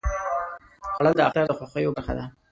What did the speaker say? خوړل د اختر د خوښیو برخه ده